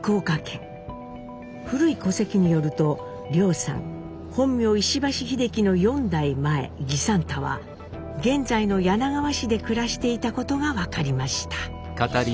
古い戸籍によると凌さん本名石橋秀樹の４代前儀三太は現在の柳川市で暮らしていたことが分かりました。